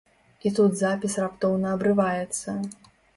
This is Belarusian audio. І тут запіс раптоўна абрываецца.